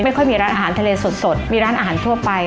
ค่อยมีร้านอาหารทะเลสดมีร้านอาหารทั่วไป